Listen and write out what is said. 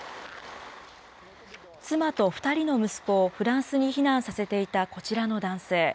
妻と２人の息子をフランスに避難させていたこちらの男性。